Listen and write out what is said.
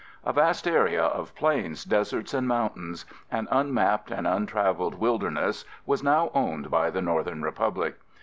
A vast area of plains, deserts and mountains, an unmapped and untraveled wilderness was now owned by the Northern Republic.